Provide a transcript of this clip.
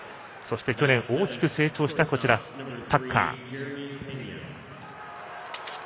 そして去年、大きく成長したタッカー。